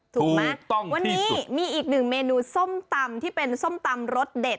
ถูกไหมถูกต้องวันนี้มีอีกหนึ่งเมนูส้มตำที่เป็นส้มตำรสเด็ด